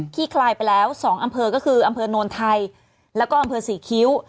ที่คลายไปแล้ว๒อำเภอก็คืออำเภอโนนไทยแล้วก็อำเภอศรีคิ้ว